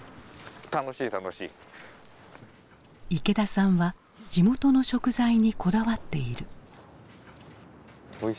池田さんは地元の食材にこだわっている。